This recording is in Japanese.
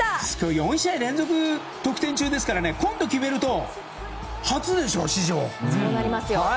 ４試合連続得点中ですから今度決めると史上初でしょ。